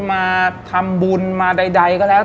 มาทำบุญมาใดก็แล้ว